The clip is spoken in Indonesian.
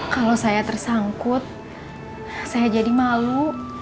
kalau saya tersangkut saya jadi malu